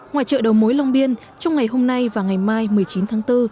ngoài chợ đầu mối long biên trong ngày hôm nay và ngày mai một mươi chín tháng bốn